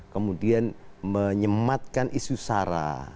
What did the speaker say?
kemudian menyematkan isu sara